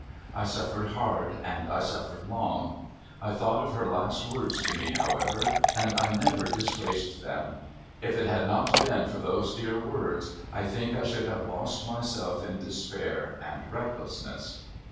I suffered hard, and I suffered long, I thought of her last words to me, however, and I never disgraced them. If it had not been for those dear words, I think I should have lost myself in despair and recklessness.